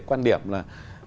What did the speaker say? quan điểm là